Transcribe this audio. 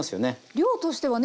量としてはね